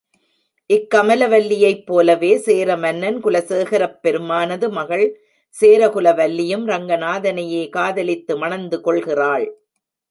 இக்கமல்வல்லியைப் போலவே சேரமன்னன் குலசேகரப் பெருமானது மகள் சேரகுலவல்லியும் ரங்நாதனையே காதலித்து மணந்து கொள்கிறாள்.